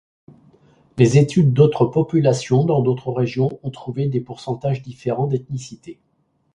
Les études d'autres populations dans d'autres régions ont trouvé des pourcentages différents d'ethnicité.